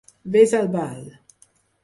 Ves al ball!